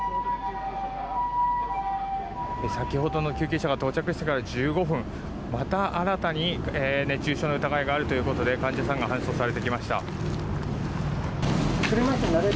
先ほどの救急車が到着してから１５分また新たに熱中症の疑いがあるということで患者さんが搬送されてきました。